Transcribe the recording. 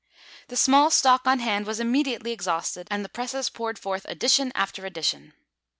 The small stock on hand was immediately exhausted, and the presses poured forth edition after edition.